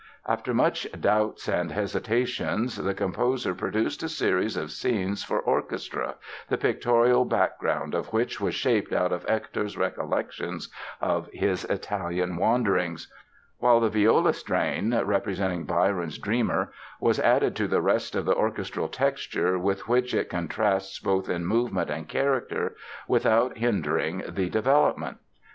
After many doubts and hesitations the composer produced a series of scenes for orchestra, the pictorial background of which was shaped out of Hector's recollections of his Italian wanderings; while the viola strain, representing Byron's dreamer, was added to the rest of the orchestral texture "with which it contrasts both in movement and character, without hindering the development".